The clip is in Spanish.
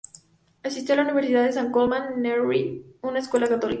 Asistió a la universidad de San Colman, Newry, una escuela católica.